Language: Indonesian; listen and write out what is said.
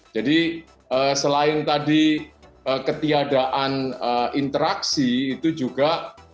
jadi selain tadi ketiadaan interaksi itu juga